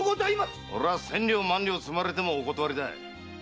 俺は千両万両つまれてもお断りだ。